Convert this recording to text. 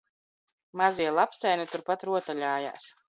Mazie lapsēni turpat rotaļājās